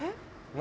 何？